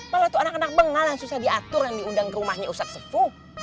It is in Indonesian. malah itu anak anak bengal yang susah diatur yang diundang ke rumahnya ustadz sefug